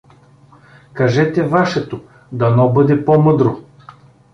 Кажете вашето, дано бъде по-мъдро.